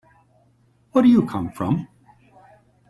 Where do you come from?